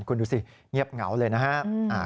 คุณดูสิเงียบเหงาเลยนะครับ